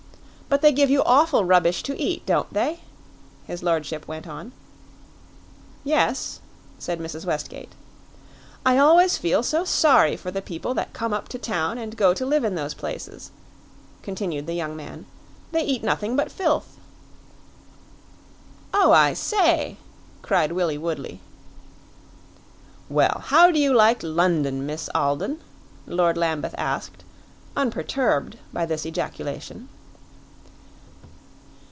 "But they give you awful rubbish to eat, don't they?" his lordship went on. "Yes," said Mrs. Westgate. "I always feel so sorry for the people that come up to town and go to live in those places," continued the young man. "They eat nothing but filth." "Oh, I say!" cried Willie Woodley. "Well, how do you like London, Miss Alden?" Lord Lambeth asked, unperturbed by this ejaculation.